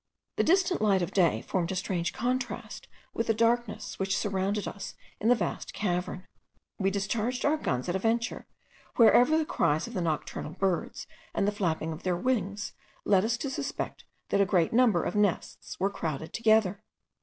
The distant light of day formed a strange contrast with the darkness which surrounded us in the vast cavern. We discharged our guns at a venture, wherever the cries of the nocturnal birds and the flapping of their wings, led us to suspect that a great number of nests were crowded together.